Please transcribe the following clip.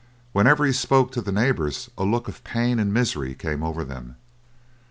Whenever he spoke to the neighbours a look of pain and misery came over them.